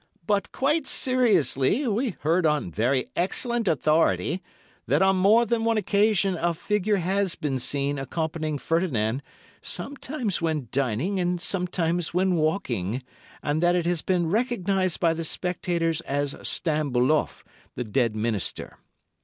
'But, quite seriously, we heard on very excellent authority that on more than one occasion a figure has been seen accompanying Ferdinand sometimes when dining and sometimes when walking, and that it has been recognised by the spectators as Stambuloff, the dead Minister.